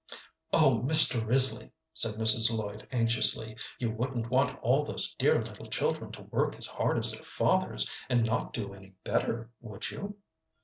"Oh, Mr. Risley," said Mrs. Lloyd, anxiously, "you wouldn't want all those dear little children to work as hard as their fathers, and not do any better, would you?"